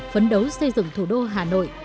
phấn đấu xây dựng thủ đô hà nội